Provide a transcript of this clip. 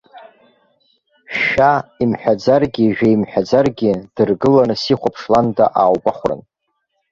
Шәа имҳәаӡаргьы, жәа имҳәаӡаргьы, дыргыланы сихәаԥшланда ааугәахәрын.